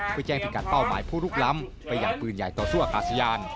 เพื่อแจ้งพิกัดเป้าหมายผู้ลุกล้ำไปอย่างปืนใหญ่ต่อสู้อากาศยาน